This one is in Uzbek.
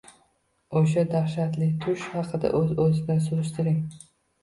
O‘sha dahshatli tush haqida oz-ozdan surishtiring.